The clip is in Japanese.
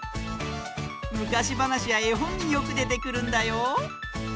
むかしばなしやえほんによくでてくるんだよ。